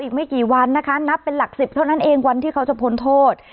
อีกไม่กี่วันนะคะนับเป็นหลัก๑๐เท่านั้นเองวันที่เขาจะพ้นโทษ